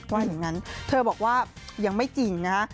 ว่าอย่างนั้นเธอบอกว่ายังไม่จริงนะฮะ